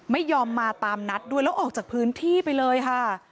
ไม่ยอมมาตามนัดด้วยแล้วออกจากพื้นที่ไปเลยค่ะ